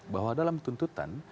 bahwa dalam tuntutan